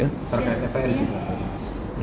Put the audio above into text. pak rkppr juga